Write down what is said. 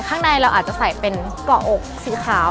ข้างในเราอาจจะใส่เป็นเกาะอกสีขาว